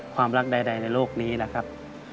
ความรักใดในโลกนี้นะครับ